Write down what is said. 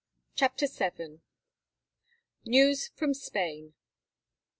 CHAPTER VII. NEWS FROM SPAIN.